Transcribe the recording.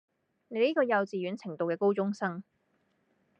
你呢個幼稚園程度嘅高中生